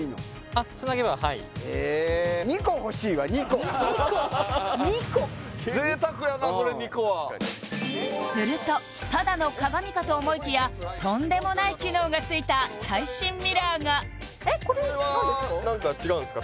あっつなげばはい２個２個２個これ２個はするとただの鏡かと思いきやとんでもない機能がついた最新ミラーがこれは何か違うんですか？